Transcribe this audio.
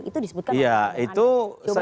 itu disebutkan oleh pak zulkifili hasan